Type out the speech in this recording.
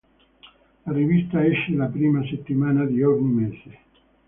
La rivista esce la prima settimana di ogni mese.